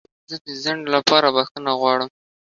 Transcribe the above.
زه د ځنډ لپاره بخښنه غواړم.